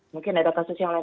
mungkin ada kasus yang lain